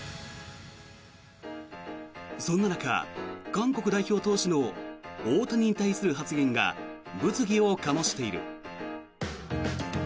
そんな中、韓国代表投手の大谷に対する発言が物議を醸している。